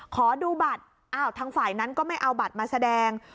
ขอดูบัตรอ้าวทางฝ่ายนั้นก็ไม่เอาบัตรมาแสดง